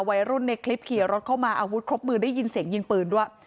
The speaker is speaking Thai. วัยรุ่นในคลิปขี่รถเข้ามาอาวุธครบมือได้ยินเสียงยิงปืนด้วย